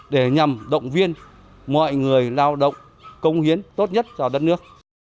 để nhằm động viên mọi người lao động công hiến tốt nhất cho đất nước